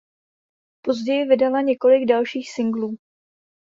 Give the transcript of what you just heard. Později vydala několik dalších singlů.